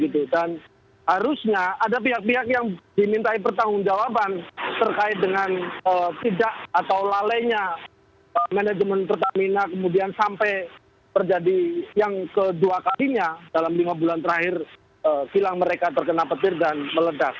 dan harusnya ada pihak pihak yang dimintai pertanggung jawaban terkait dengan tidak atau lalenya manajemen pertamina kemudian sampai terjadi yang kedua kalinya dalam lima bulan terakhir kilang mereka terkena petir dan meledak